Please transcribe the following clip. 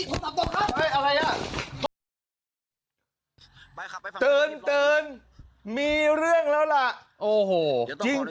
อย่าอย่าฝากหัวผมนะครับไม่ผมยังไม่ได้ฝากหัวพอผมนะ